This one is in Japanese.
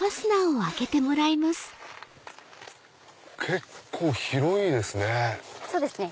結構広いですね。